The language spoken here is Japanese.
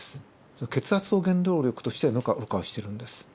その血圧を原動力としてろ過をしてるんです。